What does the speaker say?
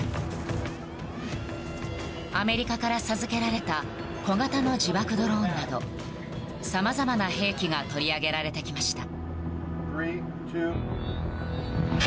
アメリカから授けられた小型の自爆ドローンなどさまざまな兵器が取り上げられてきました。